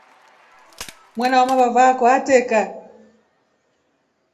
Mwana wamavava akwa atreka.